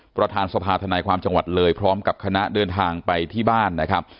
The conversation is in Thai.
ประธานสภาธนายความจังหวัดเลยพร้อมกับคณะเดินทางไปที่บ้านนะครับ